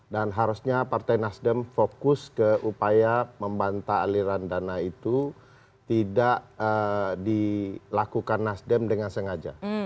dan harusnya partai nasdem fokus ke upaya membantah aliran dana itu tidak dilakukan nasdem dengan sengaja